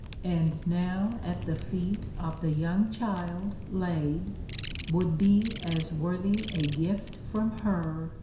And now at the feet of the young child laid, Would be as worthy a gift from her [myrrh.